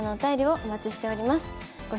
お待ちしております。